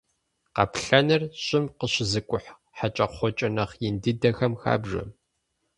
Къаплъэныр щӏым къыщызыкӏухь хьэкӏэкхъуэкӏэ нэхъ ин дыдэхэм хабжэ.